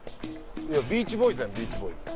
いや『ビーチボーイズ』や『ビーチボーイズ』。